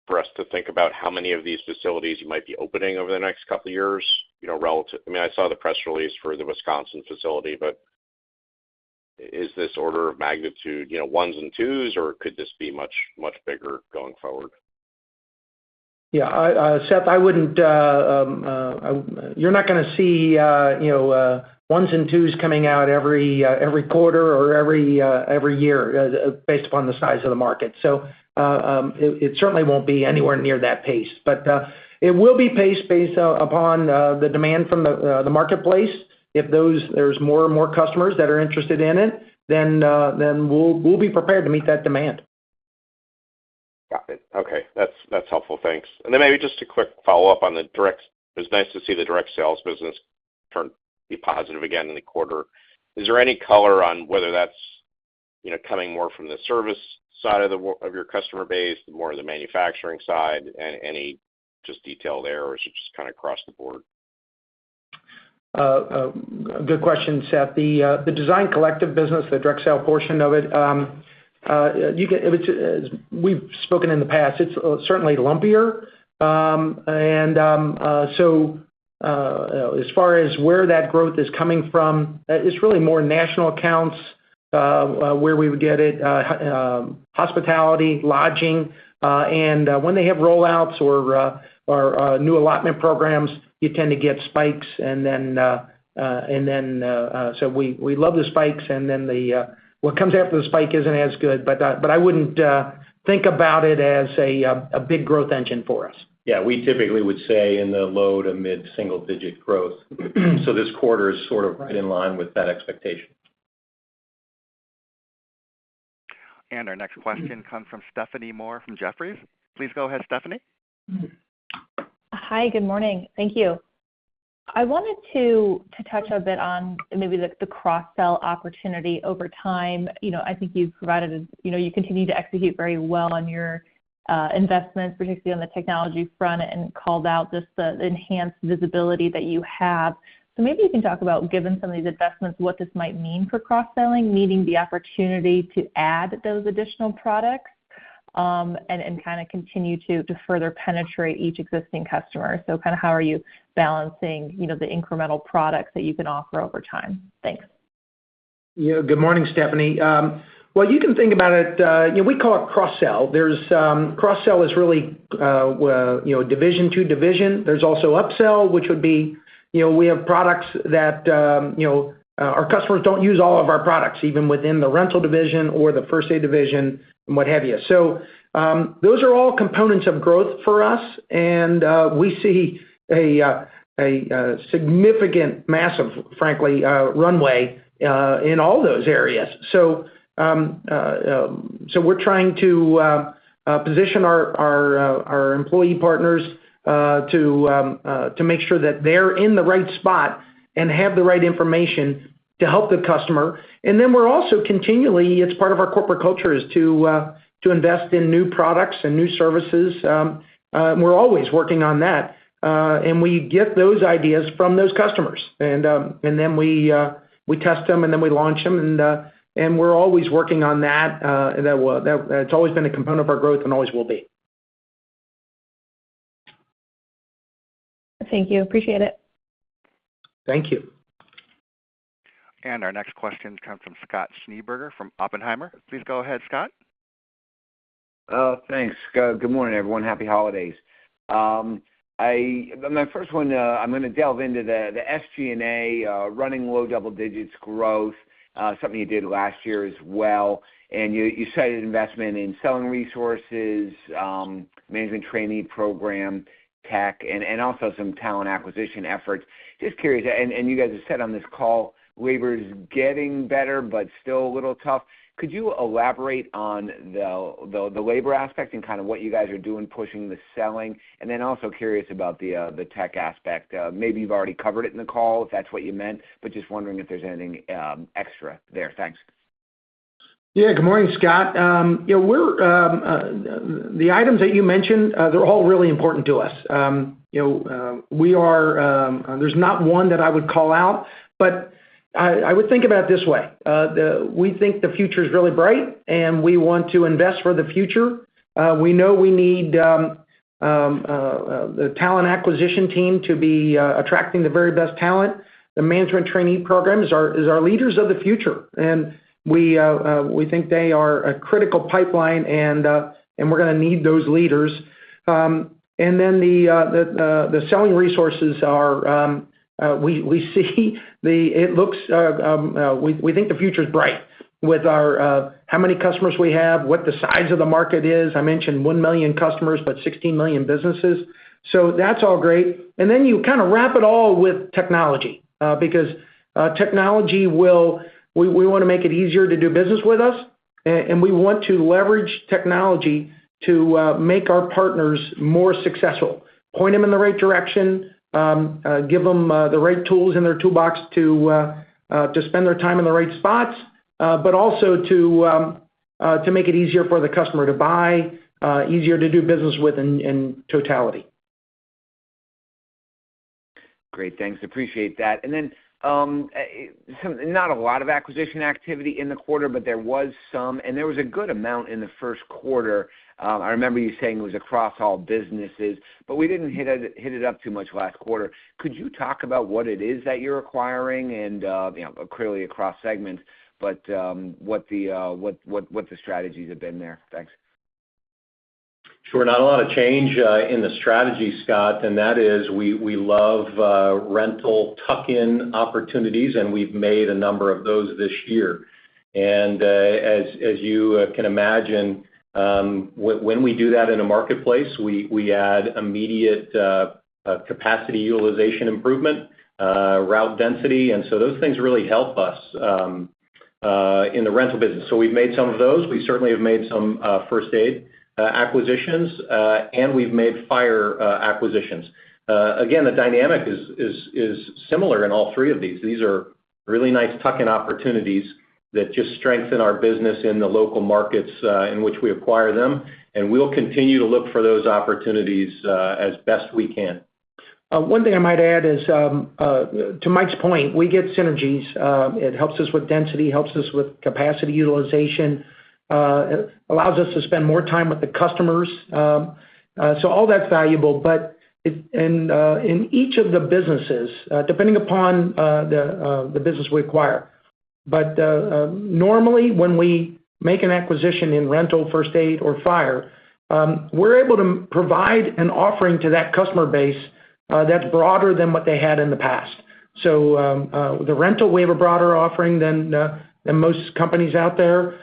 for us to think about how many of these facilities you might be opening over the next couple of years relative, I mean, I saw the press release for the Wisconsin facility, but is this order of magnitude ones and twos, or could this be much, much bigger going forward? Yeah. Seth, I wouldn't. You're not going to see ones and twos coming out every quarter or every year based upon the size of the market. So it certainly won't be anywhere near that pace. But it will be paced based upon the demand from the marketplace. If there's more and more customers that are interested in it, then we'll be prepared to meet that demand. Got it. Okay. That's helpful. Thanks. And then maybe just a quick follow-up on the direct. It was nice to see the direct sales business be positive again in the quarter. Is there any color on whether that's coming more from the service side of your customer base, more of the manufacturing side, and any just detailed drivers, or is it just kind of across the board? Good question, Seth. The Design Collective business, the direct sale portion of it, we've spoken in the past, it's certainly lumpier. So as far as where that growth is coming from, it's really more national accounts where we would get it, hospitality, lodging. When they have rollouts or new allotment programs, you tend to get spikes. Then we love the spikes, and then what comes after the spike isn't as good. But I wouldn't think about it as a big growth engine for us. Yeah. We typically would say in the low to mid-single-digit growth. This quarter is sort of right in line with that expectation. Our next question comes from Stephanie Moore from Jefferies. Please go ahead, Stephanie. Hi. Good morning. Thank you. I wanted to touch a bit on maybe the cross-sell opportunity over time. I think that you continue to execute very well on your investments, particularly on the technology front, and called out just the enhanced visibility that you have. So maybe you can talk about, given some of these investments, what this might mean for cross-selling, meaning the opportunity to add those additional products and kind of continue to further penetrate each existing customer. So kind of how are you balancing the incremental products that you can offer over time? Thanks. Good morning, Stephanie. Well, you can think about it. We call it cross-sell. Cross-sell is really division to division. There's also upsell, which would be we have products that our customers don't use all of our products, even within the rental division or the first aid division and what have you. So those are all components of growth for us. And we see a significant, massive, frankly, runway in all those areas. So we're trying to position our employee partners to make sure that they're in the right spot and have the right information to help the customer. And then we're also continually. It's part of our corporate culture is to invest in new products and new services. And we're always working on that. And we get those ideas from those customers. And then we test them, and then we launch them. And we're always working on that. It's always been a component of our growth and always will be. Thank you. Appreciate it. Thank you. Our next question comes from Scott Schneeberger from Oppenheimer. Please go ahead, Scott. Thanks, Scott. Good morning, everyone. Happy holidays. My first one, I'm going to delve into the SG&A, running low double-digits growth, something you did last year as well. And you cited investment in selling resources, management trainee program, tech, and also some talent acquisition efforts. Just curious. And you guys have said on this call, labor is getting better but still a little tough. Could you elaborate on the labor aspect and kind of what you guys are doing, pushing the selling? And then also curious about the tech aspect. Maybe you've already covered it in the call, if that's what you meant, but just wondering if there's anything extra there. Thanks. Yeah. Good morning, Scott. The items that you mentioned, they're all really important to us. There's not one that I would call out. But I would think about it this way. We think the future is really bright, and we want to invest for the future. We know we need the talent acquisition team to be attracting the very best talent. The management trainee programs are leaders of the future, and we think they are a critical pipeline, and we're going to need those leaders. And then the selling resources are we see the it looks we think the future is bright with how many customers we have, what the size of the market is. I mentioned 1 million customers but 16 million businesses. So that's all great. And then you kind of wrap it all with technology because technology—we'll want to make it easier to do business with us, and we want to leverage technology to make our partners more successful, point them in the right direction, give them the right tools in their toolbox to spend their time in the right spots, but also to make it easier for the customer to buy, easier to do business with in totality. Great. Thanks. Appreciate that. And then not a lot of acquisition activity in the quarter, but there was some. And there was a good amount in the Q1. I remember you saying it was across all businesses, but we didn't hit it up too much last quarter. Could you talk about what it is that you're acquiring and clearly across segments, but what the strategies have been there? Thanks. Sure. Not a lot of change in the strategy, Scott. That is we love rental tuck-in opportunities, and we've made a number of those this year. As you can imagine, when we do that in a marketplace, we add immediate capacity utilization improvement, route density. Those things really help us in the rental business. We've made some of those. We certainly have made some first aid acquisitions, and we've made fire acquisitions. Again, the dynamic is similar in all three of these. These are really nice tuck-in opportunities that just strengthen our business in the local markets in which we acquire them. We'll continue to look for those opportunities as best we can. One thing I might add is, to Mike's point, we get synergies. It helps us with density, helps us with capacity utilization, allows us to spend more time with the customers. So all that's valuable. And in each of the businesses, depending upon the business we acquire. But normally, when we make an acquisition in rental, first aid, or fire, we're able to provide an offering to that customer base that's broader than what they had in the past. So the rental, we have a broader offering than most companies out there.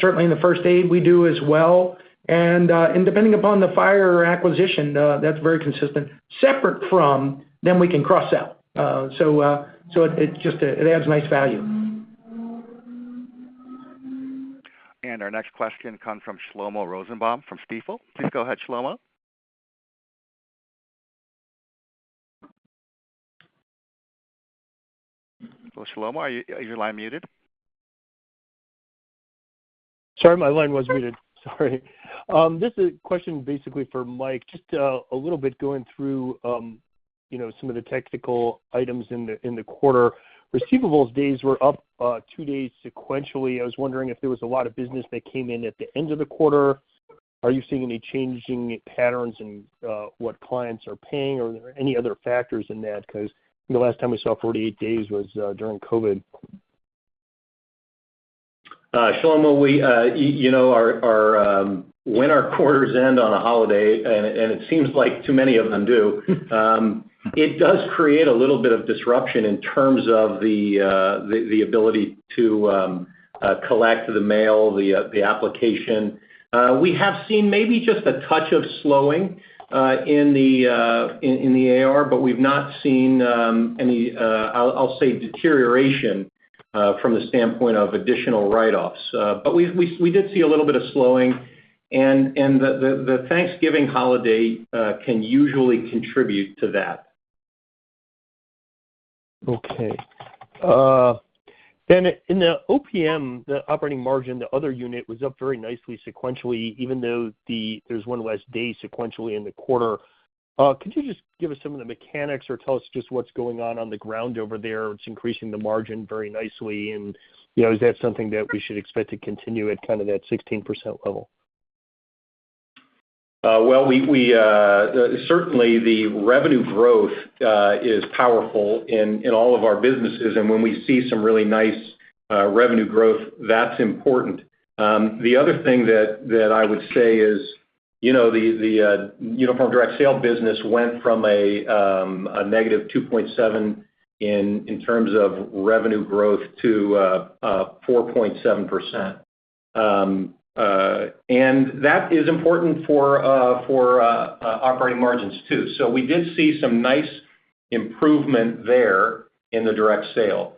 Certainly, in the first aid, we do as well. And depending upon the fire acquisition, that's very consistent. Separate from them, we can cross-sell. So it adds nice value. Our next question comes from Shlomo Rosenbaum from Stifel. Please go ahead, Shlomo. Well, Shlomo, is your line muted? Sorry. My line was muted. Sorry. This is a question basically for Mike, just a little bit going through some of the technical items in the quarter. Receivables days were up two days sequentially. I was wondering if there was a lot of business that came in at the end of the quarter. Are you seeing any changing patterns in what clients are paying, or are there any other factors in that? Because the last time we saw 48 days was during COVID. Shlomo, when our quarters end on a holiday, and it seems like too many of them do, it does create a little bit of disruption in terms of the ability to collect the mail, the application. We have seen maybe just a touch of slowing in the AR, but we've not seen any I'll say deterioration from the standpoint of additional write-offs. But we did see a little bit of slowing. The Thanksgiving holiday can usually contribute to that. Okay. Then in the OPM, the operating margin, the other unit was up very nicely sequentially, even though there's one less day sequentially in the quarter. Could you just give us some of the mechanics or tell us just what's going on on the ground over there? It's increasing the margin very nicely. And is that something that we should expect to continue at kind of that 16% level? Well, certainly, the revenue growth is powerful in all of our businesses. When we see some really nice revenue growth, that's important. The other thing that I would say is the uniform direct sale business went from a negative 2.7% in terms of revenue growth to 4.7%. That is important for operating margins too. We did see some nice improvement there in the direct sale.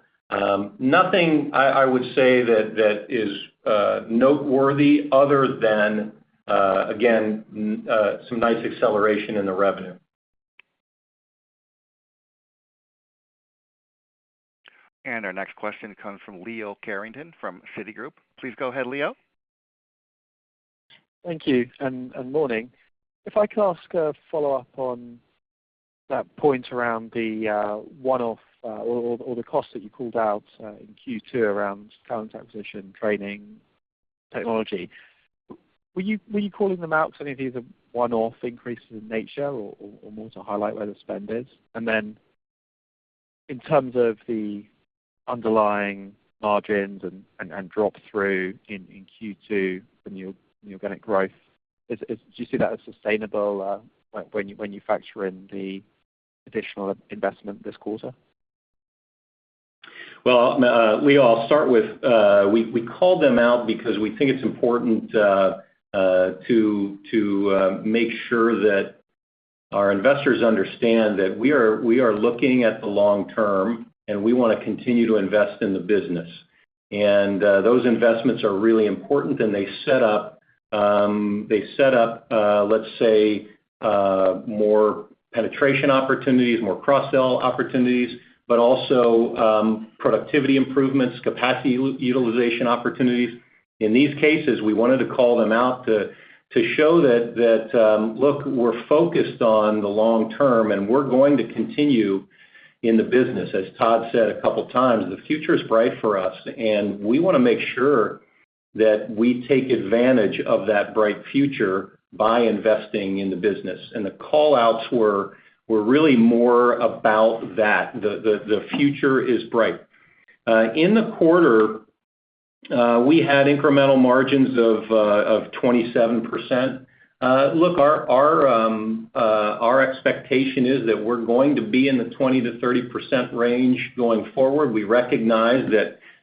Nothing, I would say, that is noteworthy other than, again, some nice acceleration in the revenue. Our next question comes from Leo Carrington from Citigroup. Please go ahead, Leo. Thank you. And morning. If I could ask a follow-up on that point around the one-off or the cost that you called out in Q2 around talent acquisition, training, technology. Were you calling them out because any of these are one-off increases in nature or more to highlight where the spend is? And then in terms of the underlying margins and drop-through in Q2 and the organic growth, do you see that as sustainable when you factor in the additional investment this quarter? Well, Leo, I'll start with we called them out because we think it's important to make sure that our investors understand that we are looking at the long term, and we want to continue to invest in the business. Those investments are really important. And they set up, let's say, more penetration opportunities, more cross-sell opportunities, but also productivity improvements, capacity utilization opportunities. In these cases, we wanted to call them out to show that, "Look, we're focused on the long term, and we're going to continue in the business." As Todd said a couple of times, the future is bright for us. And we want to make sure that we take advantage of that bright future by investing in the business. And the callouts were really more about that, "The future is bright." In the quarter, we had incremental margins of 27%. Look, our expectation is that we're going to be in the 20% to 30 range going forward. We recognize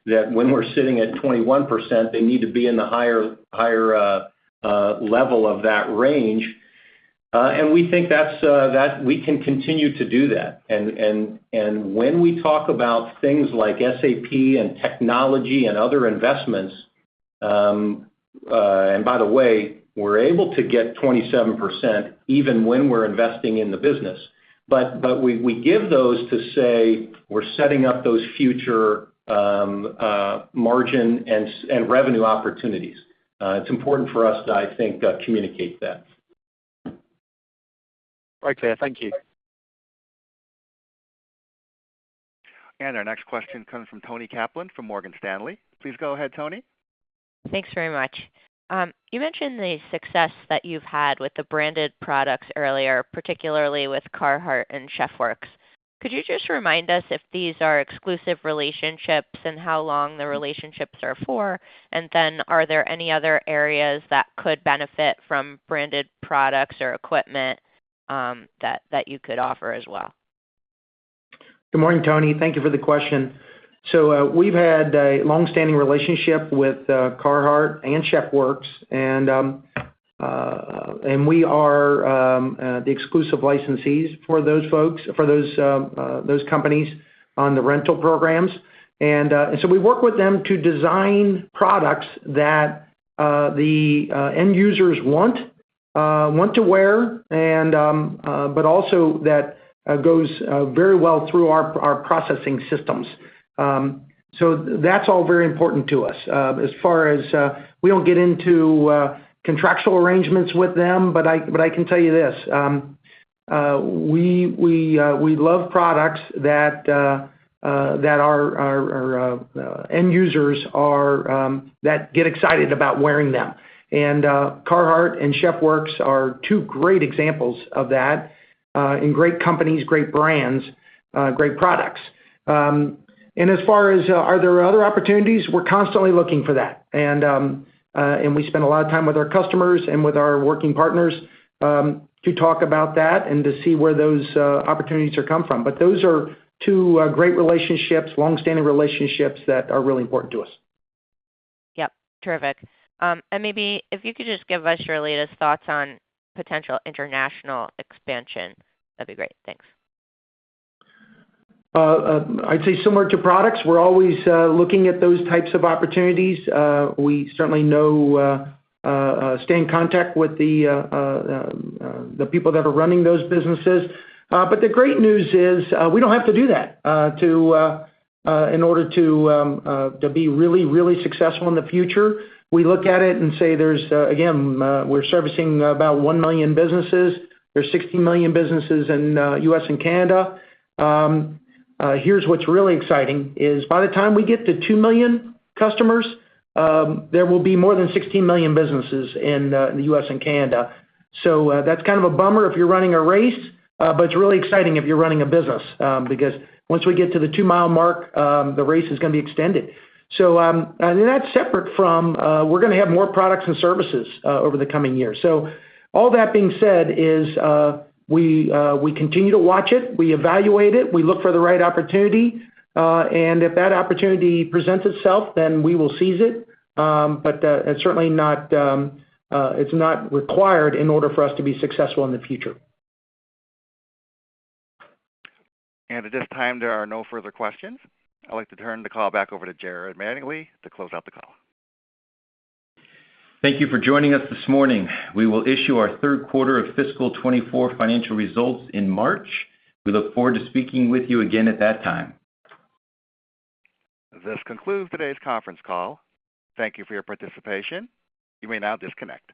that when we're sitting at 21%, they need to be in the higher level of that range. And we think that we can continue to do that. And when we talk about things like SAP and technology and other investments and by the way, we're able to get 27% even when we're investing in the business. But we give those to say we're setting up those future margin and revenue opportunities. It's important for us to, I think, communicate that. Right there. Thank you. Our next question comes from Toni Kaplan from Morgan Stanley. Please go ahead, Toni. Thanks very much. You mentioned the success that you've had with the branded products earlier, particularly with Carhartt and Chef Works. Could you just remind us if these are exclusive relationships and how long the relationships are for? And then are there any other areas that could benefit from branded products or equipment that you could offer as well? Good morning, Toni. Thank you for the question. We've had a longstanding relationship with Carhartt and Chef Works. We are the exclusive licensees for those folks, for those companies on the rental programs. We work with them to design products that the end users want to wear but also that goes very well through our processing systems. That's all very important to us as far as we don't get into contractual arrangements with them. But I can tell you this. We love products that our end users get excited about wearing them. Carhartt and Chef Works are two great examples of that and great companies, great brands, great products. As far as are there other opportunities, we're constantly looking for that. We spend a lot of time with our customers and with our working partners to talk about that and to see where those opportunities come from. Those are two great relationships, longstanding relationships that are really important to us. Yep. Terrific. And maybe if you could just give us your latest thoughts on potential international expansion, that'd be great. Thanks. I'd say similar to products. We're always looking at those types of opportunities. We certainly stay in contact with the people that are running those businesses. But the great news is we don't have to do that in order to be really, really successful in the future. We look at it and say, "Again, we're servicing about 1 million businesses. There's 16 million businesses in the U.S. and Canada." Here's what's really exciting is by the time we get to 2 million customers, there will be more than 16 million businesses in the U.S. and Canada. So that's kind of a bummer if you're running a race, but it's really exciting if you're running a business because once we get to the 2-mile mark, the race is going to be extended. So I think that's separate from we're going to have more products and services over the coming years. So all that being said is we continue to watch it. We evaluate it. We look for the right opportunity. And if that opportunity presents itself, then we will seize it. But it's certainly not required in order for us to be successful in the future. At this time, there are no further questions. I'd like to turn the call back over to Jared Mattingley to close out the call. Thank you for joining us this morning. We will issue our Q3 of Fiscal 2024 Financial Results in March. We look forward to speaking with you again at that time. This concludes today's conference call. Thank you for your participation. You may now disconnect.